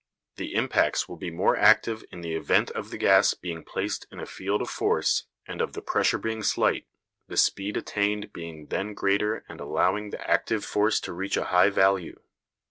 The impacts will be more active in the event of the gas being placed in a field of force and of the pressure being slight, the speed attained being then greater and allowing the active force to reach a high value.